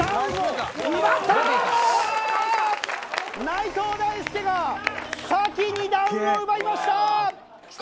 内藤大助が先にダウンを奪いました！